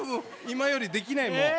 今よりできないもう。